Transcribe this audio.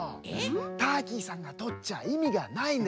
ターキーさんがとっちゃいみがないんです。